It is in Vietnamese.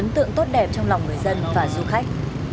trong lòng người dân và du khách